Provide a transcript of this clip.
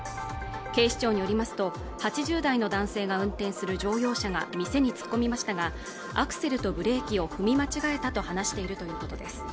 警視庁によりますと８０代の男性が運転する乗用車が店に突っ込みましたがアクセルとブレーキを踏み間違えたと話しているということです